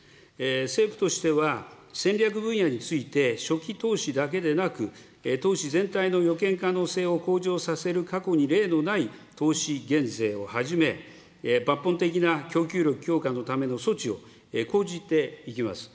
政府としては戦略分野について、初期投資だけでなく、投資全体の予見可能性を向上させる過去に例のない投資減税をはじめ、抜本的な供給力強化のための措置を講じていきます。